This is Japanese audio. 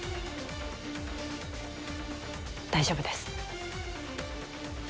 大丈夫です